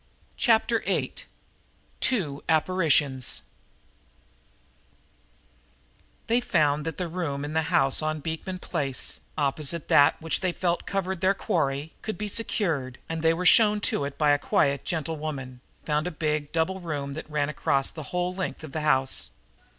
Chapter Eight Two Apparitions They found that the room in the house on Beekman Place, opposite that which they felt covered their quarry, could be secured, and they were shown to it by a quiet old gentlewoman, found a big double room that ran across the whole length of the house.